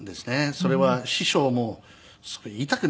それは師匠も言いたくないでしょう。